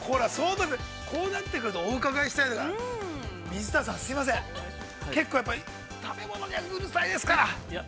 こうなってくると、お伺いしたいのは、水田さん、結構やっぱり、食べ物にはうるさいですから。